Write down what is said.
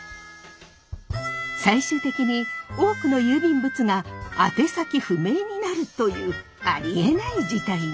最終的に多くの郵便物が宛先不明になるというありえない事態に。